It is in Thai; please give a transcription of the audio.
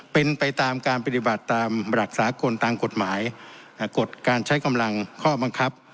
เป็นไปตามการปฏิบัติตามหลักสากลตามกฎหมายกฎการใช้กำลังข้อบังคับ